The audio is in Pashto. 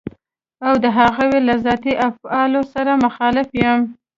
او د هغوی له ذاتي افعالو سره مخالف يم.